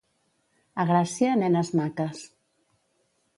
A Gràcia, nenes maques.